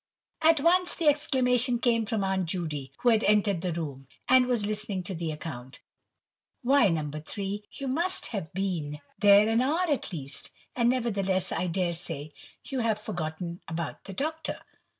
"At once!"—the exclamation came from Aunt Judy, who had entered the room, and was listening to the account. "Why, No. 3, you must have been there an hour at least. And nevertheless I dare say you have forgotten about the Doctor."